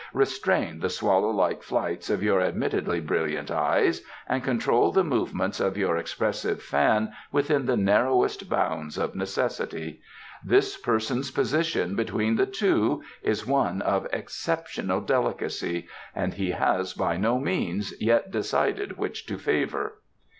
Restrain the swallow like flights of your admittedly brilliant eyes, and control the movements of your expressive fan within the narrowest bounds of necessity. This person's position between the two is one of exceptional delicacy and he has by no means yet decided which to favour."